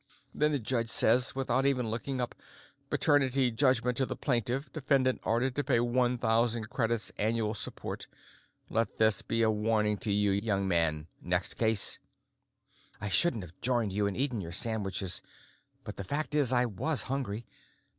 Then the judge says, without even looking up, 'Paternity judgment to the plaintiff, defendant ordered to pay one thousand credits annual support, let this be a warning to you, young man, next case.' I shouldn't have joined you and eaten your sandwiches, but the fact is I was hungry.